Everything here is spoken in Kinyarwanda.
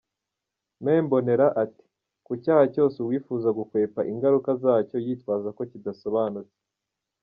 Me Mbonera ati “Ku cyaha cyose uwifuza gukwepa ingaruka zacyo yitwaza ko kidasobanutse.